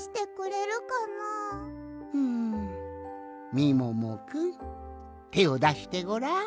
んみももくんてをだしてごらん。